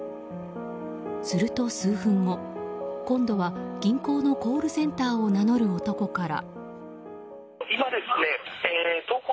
すると、数分後今度は銀行のコールセンターを名乗る男から。